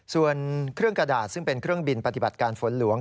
ส่วนเครื่องกระดาษซึ่งเป็นเครื่องบินปฏิบัติการฝนหลวง